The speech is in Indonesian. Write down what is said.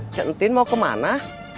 centin mau ke mana